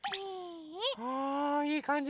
はあいいかんじ